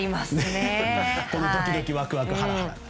このドキドキ、ワクワクハラハラ。